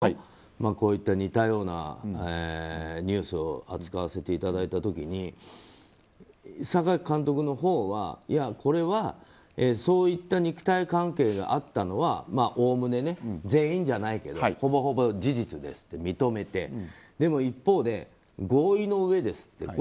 「バイキング」でその前に榊監督のこういった似たようなニュースを扱わせていただいた時に榊監督のほうは、いやこれはそういった肉体関係があったのはおおむね全員じゃないけどほぼほぼ事実ですと認めてでも一方で、合意のうえですと。